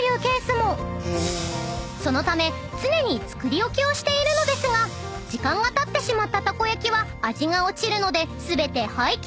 ［そのため常に作り置きをしているのですが時間がたってしまったたこ焼きは味が落ちるので全て廃棄に］